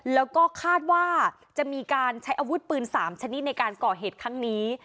แล้วก็คาดว่าจะมีการใช้อาวุธปืน๓ชนิดในการก่อเหตุครั้งนี้